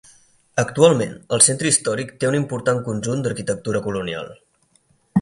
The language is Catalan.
Actualment el centre històric té un important conjunt d'arquitectura colonial.